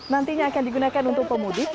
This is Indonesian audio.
nantinya akan digunakan untuk pemudik